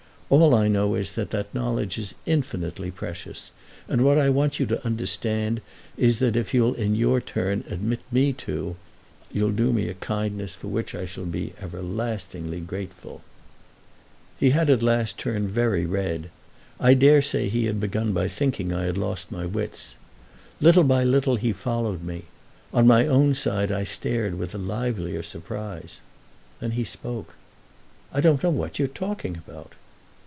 All I know is that that knowledge is infinitely precious, and what I want you to understand is that if you'll in your turn admit me to it you'll do me a kindness for which I shall be lastingly grateful." He had turned at last very red; I dare say he had begun by thinking I had lost my wits. Little by little he followed me; on my own side I stared with a livelier surprise. Then he spoke. "I don't know what you're talking about."